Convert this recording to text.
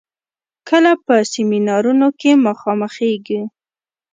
کله په سيمينارونو کې مخامخېږو.